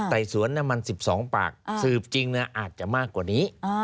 ไต่สวนมัน๑๒ปากสืบจริงอาจจะมากกว่านี้